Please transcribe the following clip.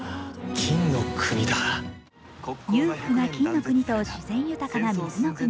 裕福は金の国と自然豊かな水の国。